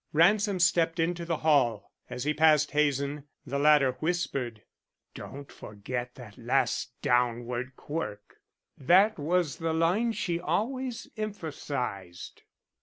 Ransom stepped into the hall. As he passed Hazen, the latter whispered: "Don't forget that last downward quirk. That was the line she always emphasized."